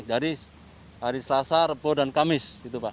jadi hari selasa repo dan kamis